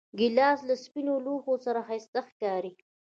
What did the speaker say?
ګیلاس له سپینو لوښو سره ښایسته ښکاري.